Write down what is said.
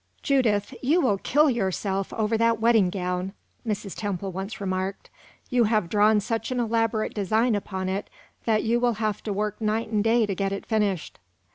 "Judith, you will kill yourself over that wedding gown," Mrs. Temple once remarked. "You have drawn such an elaborate design upon it that you will have to work night and day to get it finished."